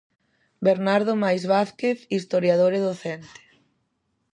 Bernardo Máiz Vázquez, historiador e docente.